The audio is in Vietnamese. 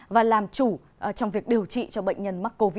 và làm chủ trong việc điều trị cho bệnh nhân mắc covid một mươi chín